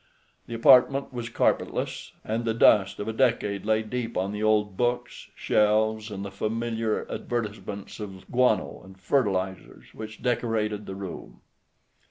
The apartment was carpetless, and the dust of a decade lay deep on the old books, shelves, and the familiar advertisements of guano and fertilizers which decorated the room.